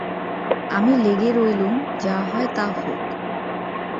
আমি লেগে রইলুম, যা হয় তা হোক।